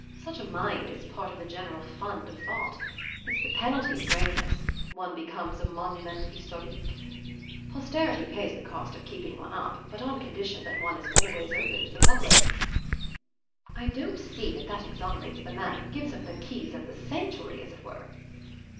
Such a mind is part of the general fund of thought. It's the penalty of greatness one becomes a monument historique. Posterity pays the cost of keeping one up, but on condition that one is always open to the public." "I don't see that that exonerates the man who gives up the keys of the sanctuary, as it were."